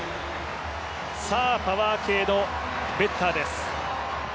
パワー系のベッターです。